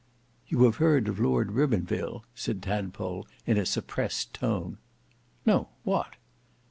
"You have heard of Lord Ribbonville?" said Tadpole in a suppressed tone. "No; what?"